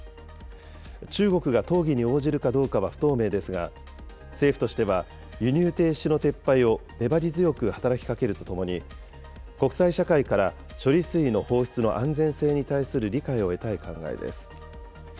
中国が討議に応じるかどうかは不透明ですが、政府としては輸入停止の撤廃を粘り強く働きかけるとともに、国際社会から処理水の放出の安全性に対する理解を得たい考えです。